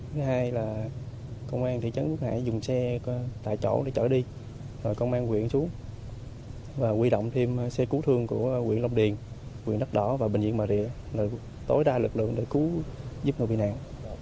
thứ hai là công an thị trấn phước hải dùng xe tại chỗ để chở đi rồi công an huyện xuống và huy động thêm xe cứu thương của huyện long điền huyện đất đỏ và bệnh viện bà rịa để tối đa lực lượng để cứu giúp người bị nạn